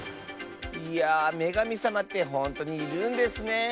いやめがみさまってほんとにいるんですねえ。